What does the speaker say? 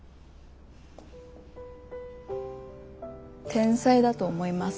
天才だと思います。